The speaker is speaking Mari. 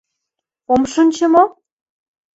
— Ом шинче мо?